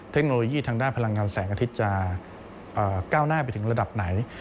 เทคโนโลยีทางด้านพลังงานแสงอาทิตย์จะก้าวหน้าไปถึงระดับไหน